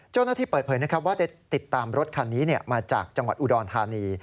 เจ้าหน้าที่เปิดเผยนะครับว่าได้ติดตามรถคันนี้มาจากจังหวัดอุดรธานี